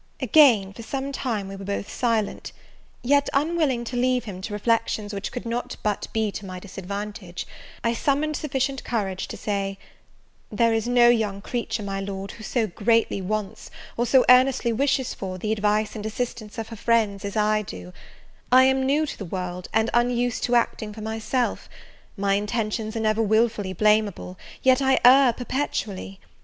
Again, for some time, we were both silent; yet, unwilling to leave him to reflections which could not but be to my disadvantage, I summoned sufficient courage to say, "There is no young creature, my Lord, who so greatly wants, or so earnestly wishes for, the advice and assistance of her friends, as I do: I am new to the world, and unused to acting for myself; my intentions are never willfully blameable, yet I err perpetually!